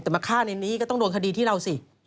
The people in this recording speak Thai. แต่มาฆ่าในนี้ก็ต้องโดนคดีที่เราสิ